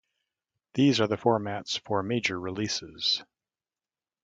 These are the formats for major releases.